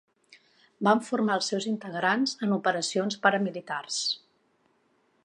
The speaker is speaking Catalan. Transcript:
Van formar els seus integrants en operacions paramilitars.